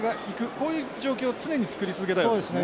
こういう状況を常に作り続けたいわけですね。